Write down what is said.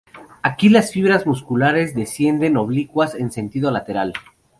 Aquí las fibras musculares descienden oblicuas en sentido lateral.